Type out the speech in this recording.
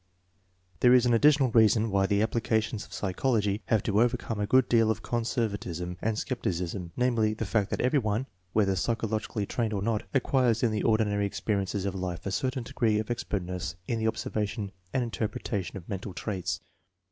There is an additional reason why the applications of psychology have to overcome a good deal of conservatism and skepticism; namely, the fact that every one, whether psychologically trained or not, acquires iu the ordinary experiences of life a certain degree of expcrlness in the observation and interpretation of mental traits.